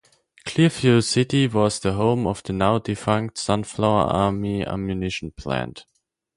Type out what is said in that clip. Clearview City was the home of the now defunct Sunflower Army Ammunition Plant.